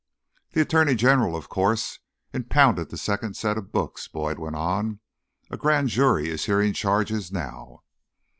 "The attorney general, of course, impounded the second set of books," Boyd went on. "A grand jury is hearing charges now."